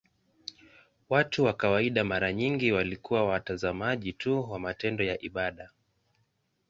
Watu wa kawaida mara nyingi walikuwa watazamaji tu wa matendo ya ibada.